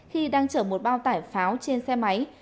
khi đang chở một bao tải pháo trên xã nghĩa hải